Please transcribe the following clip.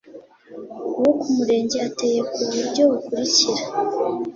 uwo ku Murenge ateye ku buryo bukurikira